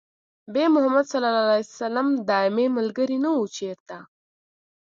بې محمده ص دايمي ملګري نه وو چېرته